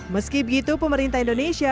meski begitu pemerintah indonesia